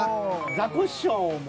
ザコシショウも。